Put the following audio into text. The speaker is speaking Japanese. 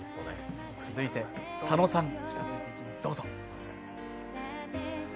続いて佐野さんどうぞ。